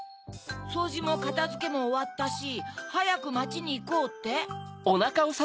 「そうじもかたづけもおわったしはやくまちにいこう」って？